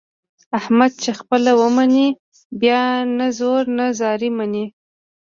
احمد چې خپله ومني بیا نه زور نه زارۍ مني.